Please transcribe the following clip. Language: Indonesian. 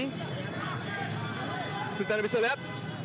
seperti yang bisa dilihat